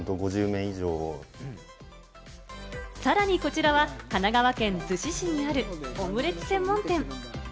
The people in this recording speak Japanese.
さらに、こちらは神奈川県逗子市にあるオムレツ専門店。